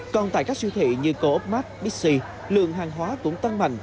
còn tại các siêu thị như coopmart pixi lượng hàng hóa cũng tăng mạnh